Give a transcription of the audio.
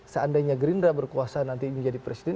seandainya gerindra berkuasa nanti menjadi presiden